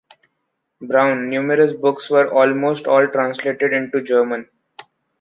Brown, numerous books were almost all translated into German.